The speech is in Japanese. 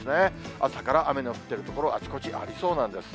朝から雨の降ってる所、あちこちありそうなんです。